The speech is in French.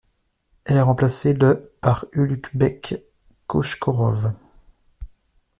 Elle est remplacé le par Ulukbek Kochkorov.